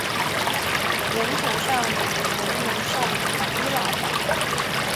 人种上与文化上已伊朗化。